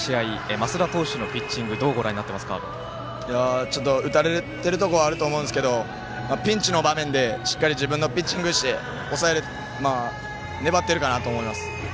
増田投手のピッチングちょっと打たれてるところはあると思うんですけどピンチの場面でしっかり自分のピッチングをして粘ってるかなと思います。